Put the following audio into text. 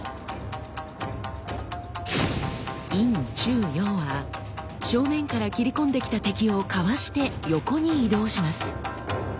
「陰中陽」は正面から斬り込んできた敵をかわして横に移動します。